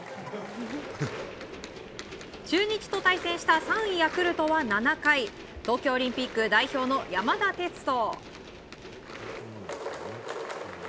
中日と対戦した３位ヤクルトは、７回東京オリンピック代表の山田哲人。